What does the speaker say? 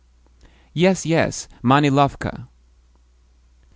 "Yes, yes Manilovka."